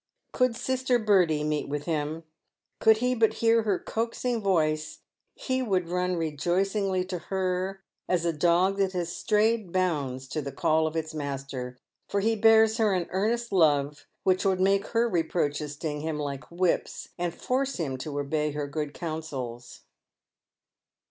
Could Sister Bertie meet with him, could he but hear her coaxing voice, he would run rejoicingly to her as a dog that has strayed bounds to the call of its master, for he bears her an earnest love which would make her reproaches sting him like whips, and force him to obey her good counsels.